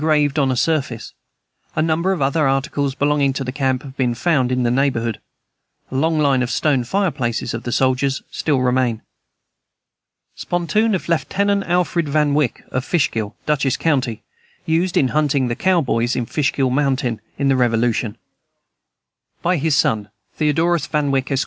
raised on the surface. A number of other articles belonging to the camp have been found in the neighborhood. A long line of the stone fireplaces of the soldiers still remain. Spontoon of Lieutenant Alfred Van Wyck, of Fishkill, Dutchess county, used in hunting the cowboys in Fishkill mountain, in the Revolution. By his son, Theodorus Van Wyck, Esq.